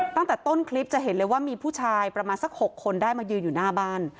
ตั้งแต่ต้นคลิปจะเห็นเลยว่ามีผู้ชายประมาณสัก๖คนได้มายืนอยู่หน้าบ้าน